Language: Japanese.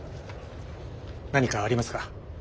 何かありますか？